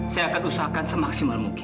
saya akan usahakan semaksimal mungkin